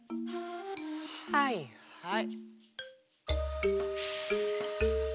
はいはい。